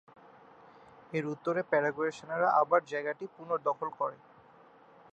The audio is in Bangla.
এর উত্তরে প্যারাগুয়ের সেনারা আবার জায়গাটি পুনর্দখল করে।